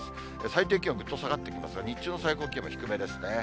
最低気温の水戸が下がってきますが、日中の最高気温も低めですね。